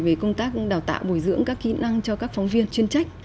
về công tác đào tạo bồi dưỡng các kỹ năng cho các phóng viên chuyên trách